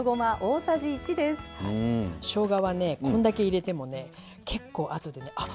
しょうがはねこんだけ入れてもね結構後でねあっ